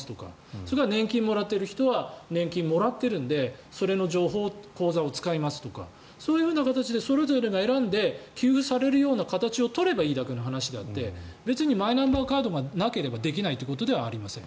それは年金もらっている人は年金をもらっているのでその口座を使いますとかそれぞれが選んで給付されるような形を取ればいいだけであって別にマイナンバーカードがなければできないということではありません。